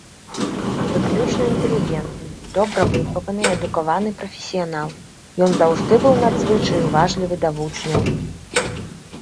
Выключна інтэлігентны, добра выхаваны і адукаваны прафесіянал, ён заўжды быў надзвычай уважлівы да вучняў.